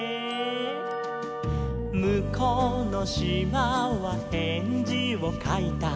「むこうのしまはへんじをかいた」